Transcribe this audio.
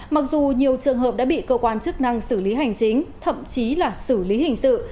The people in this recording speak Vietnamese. mặc dù nhiều trường hợp đã bị cơ quan chức năng xử lý hành chính thậm chí là xử lý hình sự